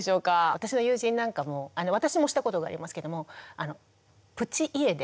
私の友人なんかも私もしたことがありますけどもプチ家出？